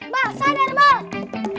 pak sadar pak